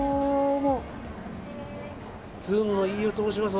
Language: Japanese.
ずんの飯尾と申します。